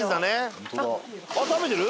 あっ食べてる？